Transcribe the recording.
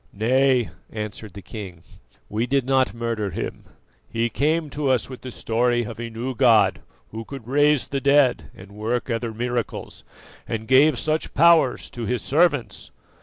"Nay," answered the king, "we did not murder him; he came to us with the story of a new God who could raise the dead and work other miracles, and gave such powers to His servants.